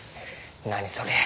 何それ。